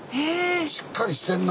しっかりしてんな。